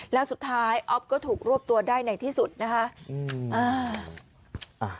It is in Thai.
แล้วสุดท้ายอ๊อฟก็ถูกรวบตัวได้ในที่สุดนะคะ